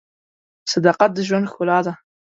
صداقت د ژوند ښکلا ده.